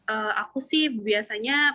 ehm aku sih biasanya